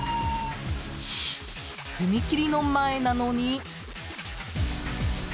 踏切の前なのに。